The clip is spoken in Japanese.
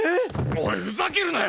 おいふざけるなよ！！